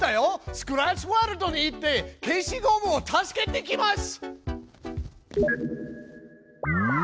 スクラッチワールドに行って消しゴムを助けてきます！